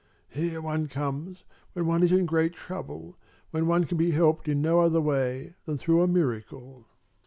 "Here one comes when one is in great trouble, when one can be helped in no other way than through a miracle."